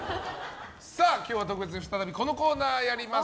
さあ、今日は特別に再びこのコーナーをやります。